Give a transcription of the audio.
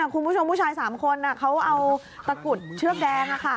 คุณผู้ชมผู้ชาย๓คนเขาเอาตะกุดเชือกแดง